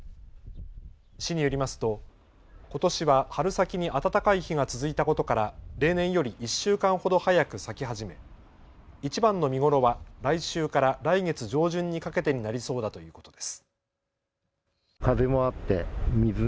市によりますとことしは春先に暖かい日が続いたことから例年より１週間ほど早く咲き始めいちばんの見頃は来週から来月上旬にかけてになりそうだということです。